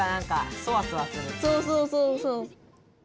そうそうそうそう。